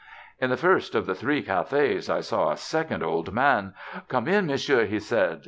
In the first of the three cafés I saw a second old man. "Come in, Monsieur," he said.